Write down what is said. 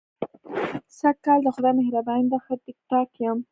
سږ کال د خدای مهرباني ده، ښه ټیک ټاک یم.